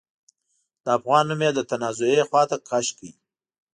د افغان نوم يې د تنازعې خواته کش کړ.